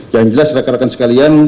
jangan jelas rakan rakan sekalian